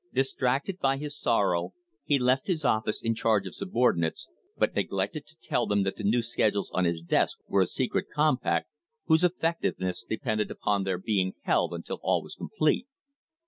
Distracted by his sorrow, he left his office in charge of subordinates, but neg lected to tell them that the new schedules on his desk were a secret compact, whose effectiveness depended upon their being held until all was complete.